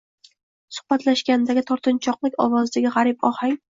Suhbatlashgandagi tortinchoqliq ovozidagi g'arib ohang